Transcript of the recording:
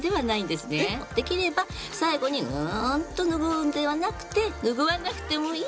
できれば最後にんとぬぐうんではなくてぬぐわなくてもいい